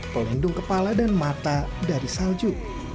pelindung kepala dan mata dari salju